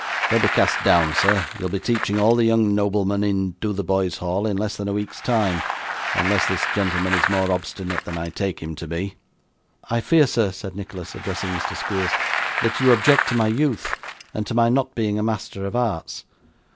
Don't be cast down, sir; you will be teaching all the young noblemen in Dotheboys Hall in less than a week's time, unless this gentleman is more obstinate than I take him to be.' 'I fear, sir,' said Nicholas, addressing Mr. Squeers, 'that you object to my youth, and to my not being a Master of Arts?